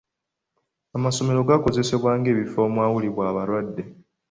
Amasomero gakozeseddwa ng'ebifo omwawulibwa abalwadde.